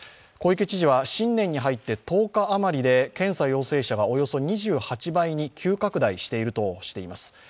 小池知事は新年に入って１０日あまりで検査陽性者がおよそ２８倍に急拡大しているとしています。